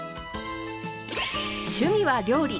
趣味は料理。